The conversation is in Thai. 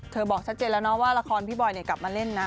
บอกชัดเจนแล้วนะว่าละครพี่บอยกลับมาเล่นนะ